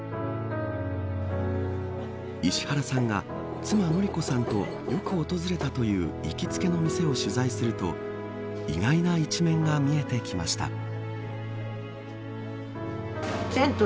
石原さんが妻、典子さんとよく訪れたという行きつけの店を取材すると意外な一面が見えてきました。